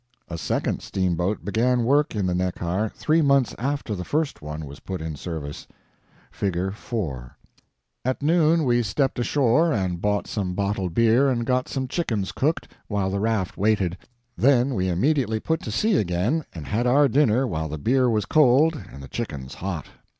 A second steamboat began work in the Neckar three months after the first one was put in service. [Figure 4] At noon we stepped ashore and bought some bottled beer and got some chickens cooked, while the raft waited; then we immediately put to sea again, and had our dinner while the beer was cold and the chickens hot.